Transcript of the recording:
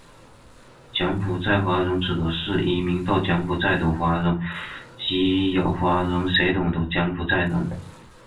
柬埔寨华人指的是移民到柬埔寨的华人及混有华人血统的柬埔寨人。